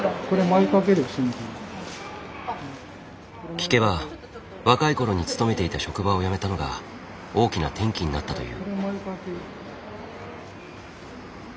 聞けば若い頃に勤めていた職場を辞めたのが大きな転機になったという。